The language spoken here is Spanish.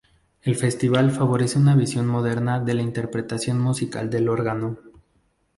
El festival favorece una visión moderna de la interpretación musical del órgano.